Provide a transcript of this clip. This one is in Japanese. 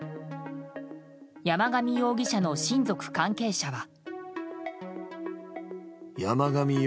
山上容疑者の親族関係者は。